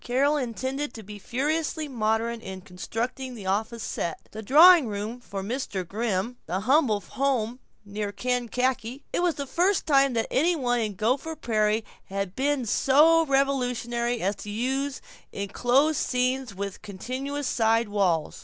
Carol intended to be furiously modern in constructing the office set, the drawing room for Mr. Grimm, and the Humble Home near Kankakee. It was the first time that any one in Gopher Prairie had been so revolutionary as to use enclosed scenes with continuous side walls.